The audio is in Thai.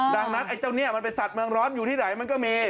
ดังนั้นไอ้เจ้าเนี่ยมันเป็นสัตว์เมืองร้อนอยู่ที่ไหนมันก็มี